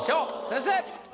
先生！